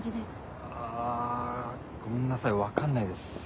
ごめんなさい分かんないです。